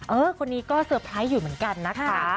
เออคนนี้ก็เตอร์ไพรส์อยู่เหมือนกันนะคะ